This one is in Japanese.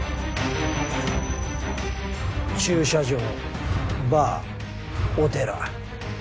駐車場バーお寺。